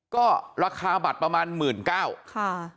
ก็ราคาบัตรประมาณ๑๙๐๐บาทค่ะ